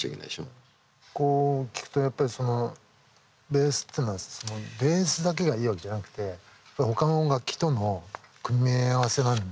こう聞くとやっぱりベースっていうのはベースだけがいいわけじゃなくてほかの楽器との組み合わせなんですよね。